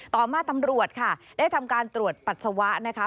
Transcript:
ต่อมาตำรวจค่ะได้ทำการตรวจปัสสาวะนะคะ